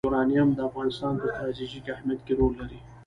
یورانیم د افغانستان په ستراتیژیک اهمیت کې رول لري.